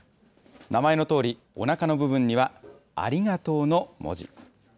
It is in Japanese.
名前のとおり、おなかの部分には、ありがとうの文字。